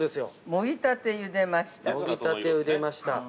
◆もぎたてゆでましたって。